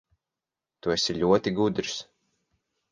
Tu esi ļoti gudrs.